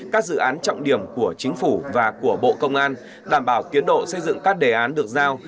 các dự án trọng điểm của chính phủ và của bộ công an đảm bảo tiến độ xây dựng các đề án được giao